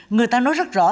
người ta nói rất rõ